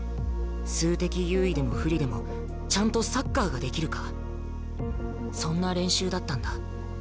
数的優位でも不利でもちゃんとサッカーができるかそんな練習だったんだ。